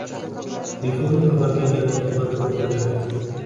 Telefonim xabar kelganidan ogohlantirib ovoz berdi